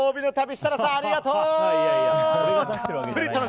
設楽さん、ありがとう！